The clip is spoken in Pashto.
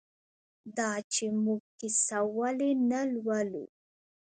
دا چې موږ کیسه ولې نه لولو؟